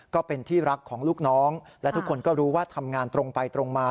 ก็เป็นที่รักของลูกน้องและทุกคนก็รู้ว่าทำงานตรงไปตรงมา